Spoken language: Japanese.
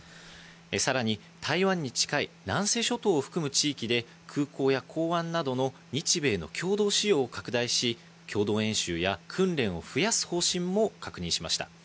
さらに台湾に近い南西諸島を含む地域で、空港や港湾などの日米の共同使用を拡大し、共同演習や訓練を増やす方針も確認しました。